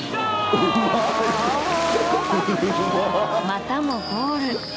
またも、ゴール！